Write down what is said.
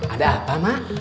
ada apa mak